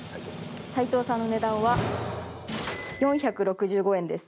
齊藤さんの値段は４６５円です。